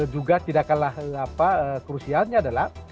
juga tidak kalah krusialnya adalah